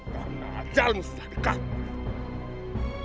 karena acalmu sudah dekat